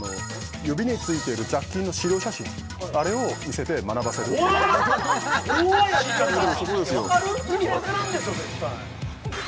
指についている雑菌の資料写真あれを見せて学ばせる怖っ怖いやり方わかる？